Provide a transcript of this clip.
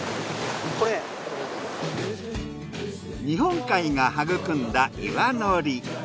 日本海が育んだ岩のり。